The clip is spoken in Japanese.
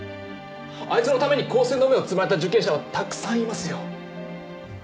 あいつのために更生の芽を摘まれた受刑者はたくさんいますよ。